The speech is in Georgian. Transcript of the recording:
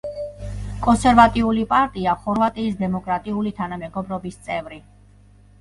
კონსერვატიული პარტია ხორვატიის დემოკრატიული თანამეგობრობის წევრი.